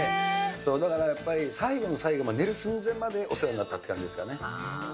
だからやっぱり、最後の最後、寝る寸前までお世話になったっていう感じですかね。